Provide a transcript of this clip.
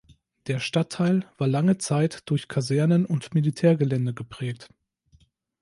Der Stadtteil war lange Zeit durch Kasernen und Militärgelände geprägt.